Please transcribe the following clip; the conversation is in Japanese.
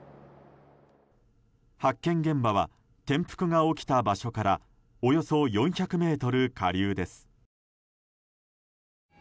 発見現場は転覆が起きた場所からおよそ４００ｍ下流です。